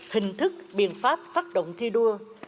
hình thức biện pháp phát động thi đua